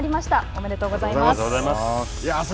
おめでとうございます。